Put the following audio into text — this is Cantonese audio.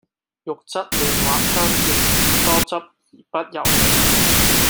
肉質嫩滑香甜，多汁而不油膩